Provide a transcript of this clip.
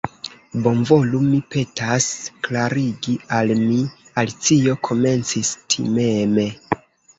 "Bonvolu, mi petas, klarigi al mi," Alicio komencis timeme.